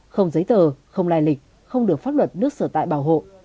không giấy tờ không lai lịch không được pháp luật nước sở tại bảo hộ